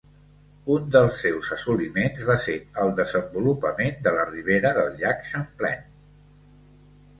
Un dels seus assoliments va ser el desenvolupament de la ribera del llac Champlain.